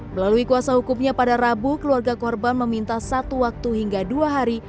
melalui kuasa hukumnya pada rabu keluarga korban meminta satu waktu hingga dua hari